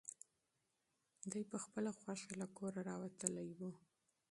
دی په خپله خوښه له کوره راوتلی و.